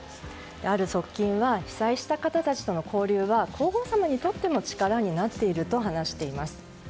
ある側近は被災した方たちとの交流は皇后さまにとっても力になっていると話しています。